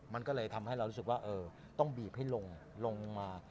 มันก็เลยทำให้เรารู้สึกว่าต้องบีบให้ลงมา